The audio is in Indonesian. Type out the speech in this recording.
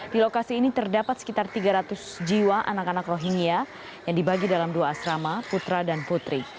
di lokasi ini terdapat sekitar tiga ratus jiwa anak anak rohingya yang dibagi dalam dua asrama putra dan putri